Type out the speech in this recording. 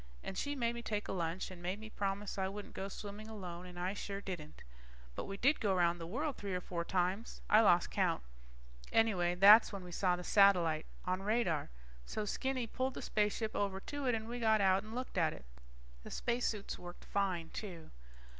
And she made me take a lunch and made me promise I wouldn't go swimming alone, and I sure didn't. But we did go around the world three or four times. I lost count. Anyway that's when we saw the satellite on radar. So Skinny pulled the spaceship over to it and we got out and looked at it. The spacesuits worked fine, too.